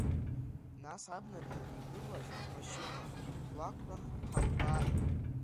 Нас абнаҿы игылаз ҳмашьына ҳлақәтәан ҳалбааит.